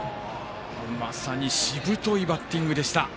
まさにしぶといバッティングでした。